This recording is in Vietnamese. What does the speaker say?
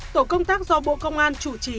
tổ công tác do bộ công an chủ trì